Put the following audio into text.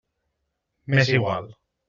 M'és igual.